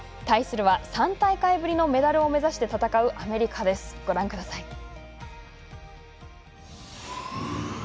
対するは３大会ぶりのメダルを目指して戦うアメリカです、ご覧ください。